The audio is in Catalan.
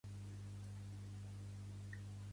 Més ençà no hi ha res.